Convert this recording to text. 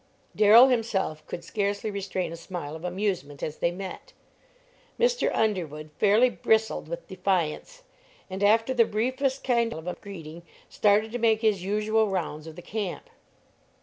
Darrell himself could scarcely restrain a smile of amusement as they met. Mr. Underwood fairly bristled with defiance, and, after the briefest kind of a greeting, started to make his usual rounds of the camp.